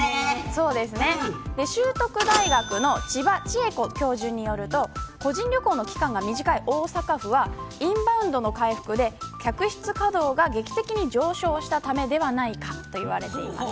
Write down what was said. そうですね、淑徳大学の千葉千枝子教授によると個人旅行の期間が短い大阪府はインバウンドの回復で客室稼働が劇的に上昇したためではないかと言われています。